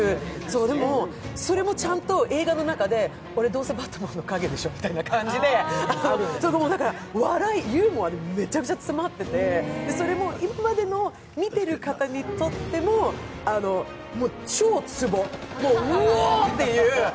でも、それもちゃんと映画の中で、俺はどうせバットマンの陰でしょうっていう感じで、笑い、ユーモアがめちゃくちゃ詰まっててそれは今まで見てる方にとっても超ツボ、うぉーっていう。